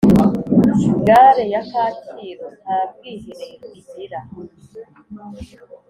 Gare ya kacyiru ntabwihereo igira